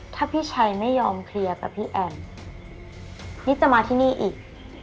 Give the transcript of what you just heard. ถ้าพี่ชัยไม่ยอมเคลียร์กับพี่แอมนิดจะมาที่นี่อีก